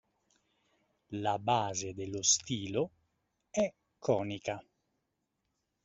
La base dello stilo è conica.